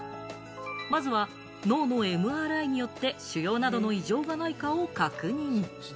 まずは脳のＭＲＩによって腫瘍などの異常がないかを確認。